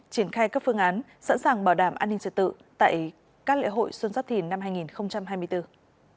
triển khai các phương án sẵn sàng bảo đảm an ninh trật tự tại các lễ hội xuân giáp thìn năm hai nghìn hai mươi bốn